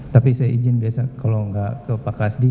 tapi saya izin biasa kalau nggak ke pak kasdi